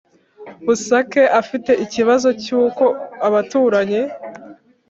Busake Afite ikibazo cy uko abaturanyi